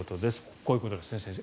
こういうことですね、先生。